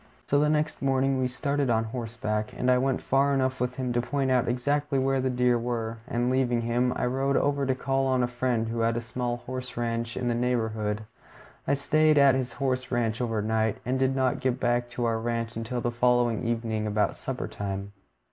So next morning we started on horseback, and I went far enough with him to point out exactly where the deer were, and leaving him, I rode over to call on a friend who had a small horse ranch in the neighborhood. I stayed at this horse ranch overnight, and did not get back to our ranch until the following evening about supper time.